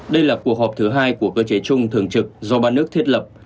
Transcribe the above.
đây là cuộc họp thứ hai của cơ chế chung thường trực do ba nước thiết lập